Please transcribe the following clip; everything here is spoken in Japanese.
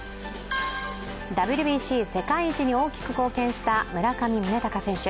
ＷＢＣ世界一に大きく貢献した村上宗隆選手。